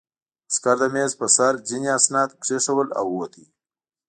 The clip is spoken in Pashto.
عسکر د مېز په سر ځینې اسناد کېښودل او ووت